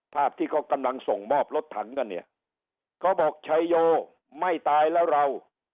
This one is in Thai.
ภาพที่เขากำลังส่งมอบรถถังกันเนี่ยเขาบอกชัยโยไม่ตายแล้วเรา